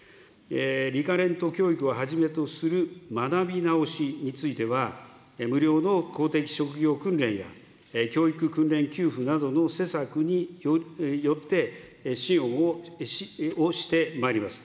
リカレント教育をはじめとする学び直しについては、無料の公的職業訓練や教育訓練給付などの施策によって支援をしてまいります。